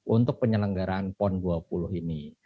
untuk penyelenggaraan pon dua puluh ini